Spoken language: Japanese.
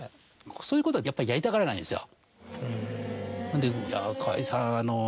そういうことはやっぱりやりたがらないんですよ。